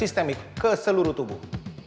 sistemik ke seluruh tubuh